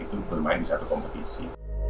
dan juga pemain di satu kompetisi